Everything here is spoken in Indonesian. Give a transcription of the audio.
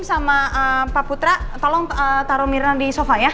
sama pak putra tolong taruh mirna di sofa ya